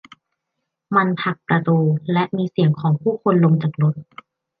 มันผลักประตู และมีเสียงของผู้คนลงจากรถ